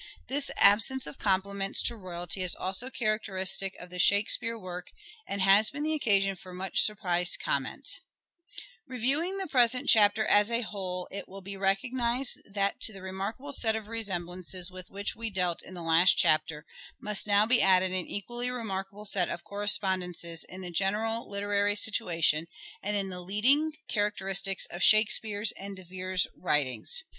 This absence of compliments to royalty is also characteristic of the Shakespeare work, and has been the occasion for much surprised comment. EDWARD DE VERE AS LYRIC POET 167 Reviewing the present chapter as a whole it will be General '' recognized that to the remarkable set of resemblances with which we dealt in the last chapter, must now be added an equally remarkable set of correspondences in the general literary situation and in the leading characteristics of Shakespeare's and De Vere's writings.